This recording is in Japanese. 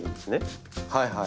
はいはい。